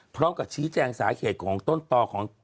พร้อมกับชี้แจงสาเหตุของต้นต่อของ